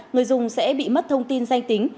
người dùng sẽ bị mất thông tin danh tính